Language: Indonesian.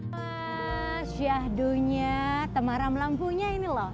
wah siadunya temaram lampunya ini loh